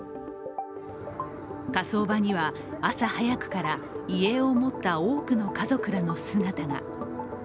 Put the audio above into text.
火葬場には、朝早くから遺影を持った多くの家族らの姿が。